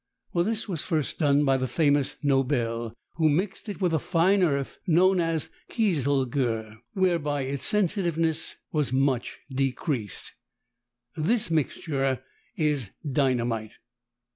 This was first done by the famous Nobel, who mixed it with a fine earth known as kieselguhr, whereby its sensitiveness was much decreased. This mixture is dynamite.